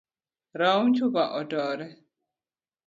Raum chupa otore.